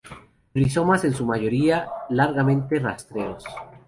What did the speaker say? Rizomas en su mayoría largamente rastreros.